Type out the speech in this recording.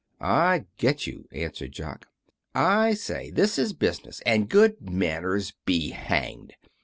"I get you," answered Jock. "I say, this is business, and good manners be hanged.